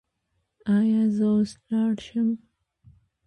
ایا زه اوس لاړ شم؟